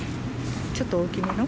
ちょっと大きめの。